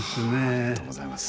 ありがとうございます。